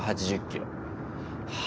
８０キロ